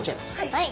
はい。